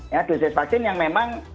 ya dosis vaksin yang memang